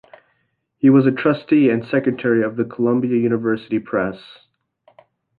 He was trustee and secretary of the Columbia University Press.